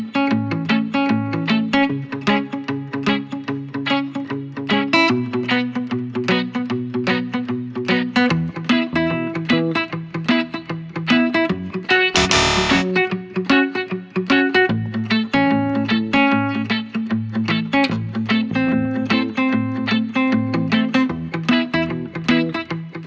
สามสองหนึ่งค่ะ